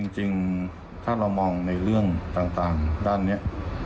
จริงถ้าเรามองในเรื่องต่างด้านนี้